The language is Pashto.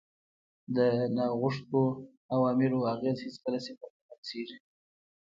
د ناغوښتو عواملو اغېز هېڅکله صفر ته نه رسیږي.